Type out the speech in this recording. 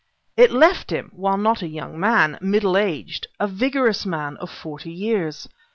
It left him, while not a young man, middle aged; a vigorous man of forty years.